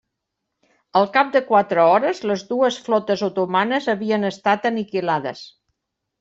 Al cap de quatre hores, les dues flotes otomanes havien estat aniquilades.